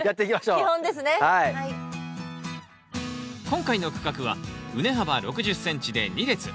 今回の区画は畝幅６０ｃｍで２列。